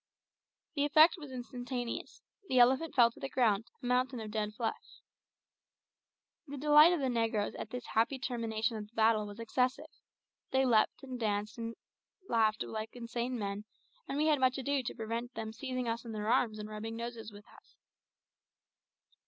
The effect was instantaneous. The elephant fell to the ground, a mountain of dead flesh. The delight of the negroes at this happy termination of the battle was excessive. They leaped and laughed and danced like insane men, and we had much ado to prevent them seizing us in their arms and rubbing noses with us.